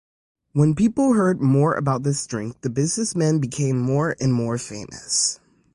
When people heard more about this drink the businessmen became more and more famous.